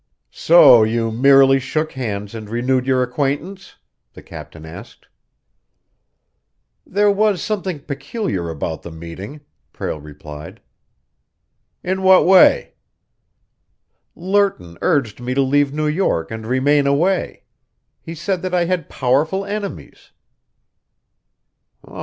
"So you merely shook hands and renewed your acquaintance?" the captain asked. "There was something peculiar about the meeting," Prale replied. "In what way?" "Lerton urged me to leave New York and remain away. He said that I had powerful enemies."